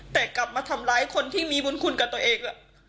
แต่กลับมาทำร้ายคนที่มีบุญคุณกับตัวเอง